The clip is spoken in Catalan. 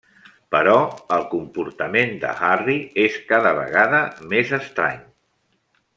Però el comportament de Harry és cada vegada més estrany.